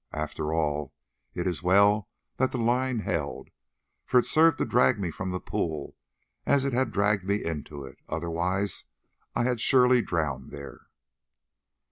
After all, it is well that the line held, for it served to drag me from the pool as it had dragged me into it, otherwise I had surely drowned there.